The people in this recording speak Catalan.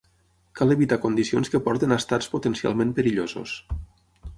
Cal evitar condicions que portin a estats potencialment perillosos.